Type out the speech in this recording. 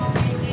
gak ada pok